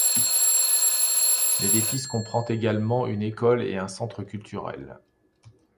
L’édifice comprend également une école et un centre culturel.